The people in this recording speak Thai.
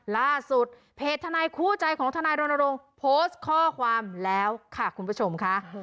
ล่าสุดเพจทนายคู่ใจของทนายรณรงค์โพสต์ข้อความแล้วค่ะคุณผู้ชมค่ะ